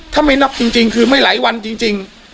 ถ้าไม่นับจริงคือไม่หลายวันจริง